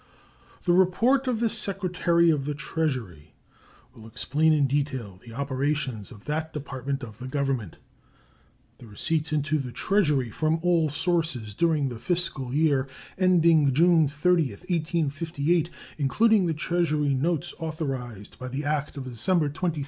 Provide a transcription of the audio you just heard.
The report of the Secretary of the Treasury will explain in detail the operations of that Department of the Government. The receipts into the Treasury from all sources during the fiscal year ending June 30, 1858, including the Treasury notes authorized by the act of December 23, 1857, were $70,273,869.